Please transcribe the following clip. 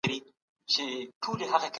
هغوی د بشري حقوقو د ورکړې غوښتنه وکړه.